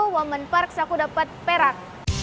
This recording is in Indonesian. women park aku dapat perang